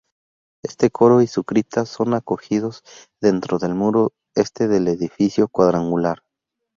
Este coro y su cripta son acogidos dentro del muro este del edificio cuadrangular.